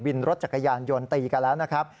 วินรถจักรยานยนต์ตีกันแล้วนะครับ